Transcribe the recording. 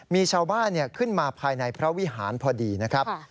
มีชาวบ้านขึ้นมาภายในพระวิหารพอดีนะครับ